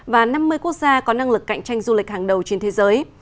và năm mươi quốc gia có năng lực cạnh tranh du lịch hàng đầu trên thế giới